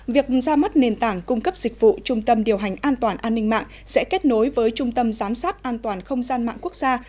việc ra mắt nền tảng cung cấp dịch vụ trung tâm điều hành an toàn an ninh mạng sẽ kết nối với trung tâm giám sát an toàn không gian mạng quốc gia